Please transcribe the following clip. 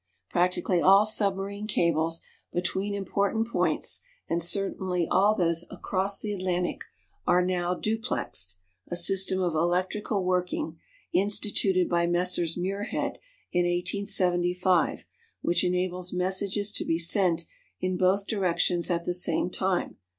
Practically all submarine cables between important points and certainly all those across the Atlantic are now "duplexed" a system of electrical working (instituted by Messrs. Muirhead in 1875) which enables messages to be sent in both directions at the same time.